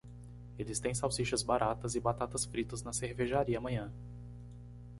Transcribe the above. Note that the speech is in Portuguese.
Eles têm salsichas baratas e batatas fritas na cervejaria amanhã.